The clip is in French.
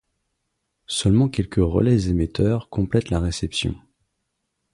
Seulement quelques relais émetteurs complètent la réception.